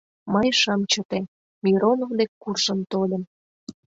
Мый шым чыте, Миронов дек куржын тольым.